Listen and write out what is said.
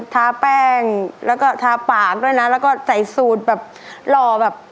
ทาแป้งแล้วก็ทาปากด้วยนะแล้วก็ใส่สูตรแบบหล่อแบบ